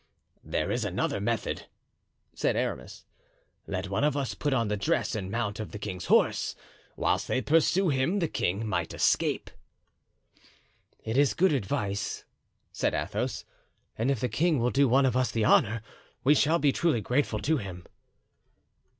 "There is another method," said Aramis. "Let one of us put on the dress and mount the king's horse. Whilst they pursue him the king might escape." "It is good advice," said Athos, "and if the king will do one of us the honor we shall be truly grateful to him."